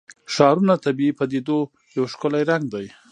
ښارونه د طبیعي پدیدو یو ښکلی رنګ دی.